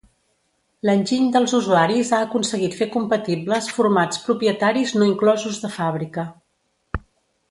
L'enginy dels usuaris ha aconseguit fer compatibles formats propietaris no inclosos de fàbrica.